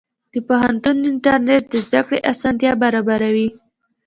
د پوهنتون انټرنېټ د زده کړې اسانتیا برابروي.